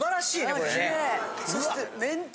これ。